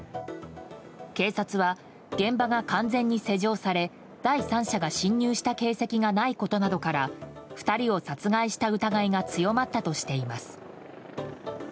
警察は、現場が完全に施錠され第三者が侵入した形跡がないことなどから２人を殺害した疑いが強まったとしています。